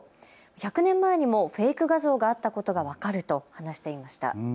１００年前にもフェイク画像があったことが分かると話していました。